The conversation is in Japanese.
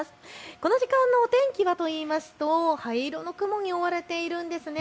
この時間のお天気はといいますと灰色の雲に覆われているんです。